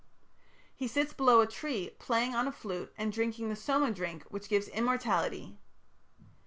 He sits below a tree, playing on a flute and drinking the Soma drink which gives immortality.